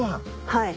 はい。